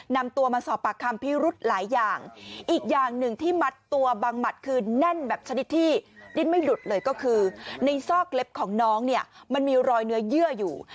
นำตัวมาสอบปากคำพิรุธหลายอย่างอีกอย่างหนึ่งที่มัดตัวบังหมัดคือแน่นแบบชนิดที่ดิ้นไม่หลุดเลยก็คือในซอกเล็บของน้องเนี่ยมันมีรอยเนื้อเยื่ออยู่